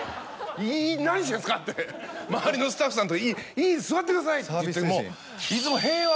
「何してんですか⁉」って周りのスタッフさんと「座ってください」って言っても。